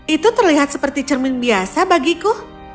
itu terlihat seperti cermin biasa bagiku